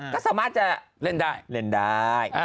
ก็สามารถจะเล่นได้